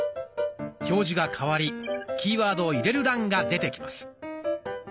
表示が変わりキーワードを入れる欄が出てきます。